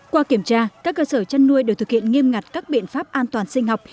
qua kiểm tra các cơ sở chăn nuôi được thực hiện nghiêm ngặt các biện pháp an toàn sinh học